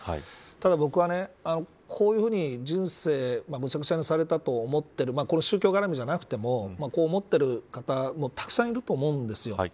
ただ、僕はこういうふうに人生めちゃくちゃにされたと思っている宗教絡みじゃなくてもこう思っている方たくさんいると思うんですよ。